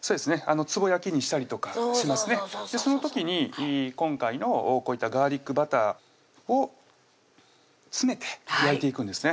つぼ焼きにしたりとかしますねその時に今回のこういったガーリックバターを詰めて焼いていくんですね